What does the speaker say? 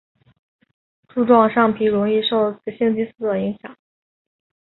柱状上皮容易受雌激素的影响。